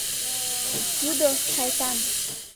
— Тудо, шайтан!